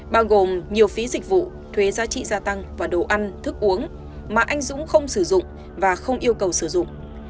bao gồm nhiều phí dịch vụ thuế giá trị gia tăng và đồ ăn thức uống mà anh dũng không sử dụng và không yêu cầu sử dụng